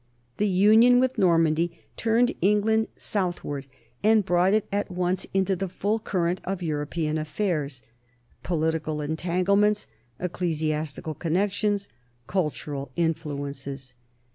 The union with Normandy turned England southward and brought it at once into the full current of European affairs political entanglements, ecclesiastical connec tions, cultural influences.